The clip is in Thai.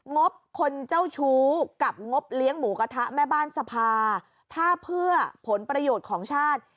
งบคนเจ้าชู้กับงบเลี้ยงหมูกระทะแม่บ้านสภาถ้าเพื่อผลประโยชน์ของชาติ